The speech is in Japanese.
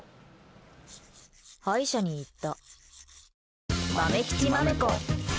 歯医者に行った。